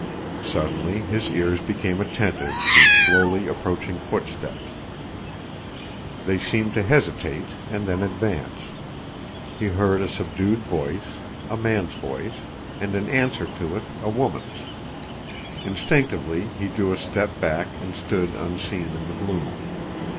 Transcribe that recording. Suddenly his ears became attentive to slowly approaching footsteps. They seemed to hesitate and then advanced; he heard a subdued voice, a man's voice—and in answer to it a woman's. Instinctively he drew a step back and stood unseen in the gloom.